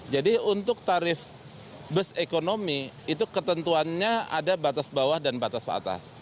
jadi untuk tarif bus ekonomi itu ketentuannya ada batas bawah dan batas atas